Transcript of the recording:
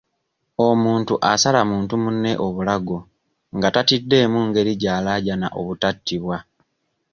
Omuntu asala muntu munne obulago nga tatiddenamu ngeri gy'alaajana obutattibwa.